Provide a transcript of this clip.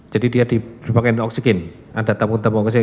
jadi dia dipakai dengan oksigen ada tabung tabung oksigen